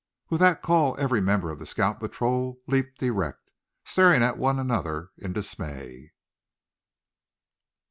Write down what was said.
With that call every member of the scout patrol leaped erect, staring at one another in dismay.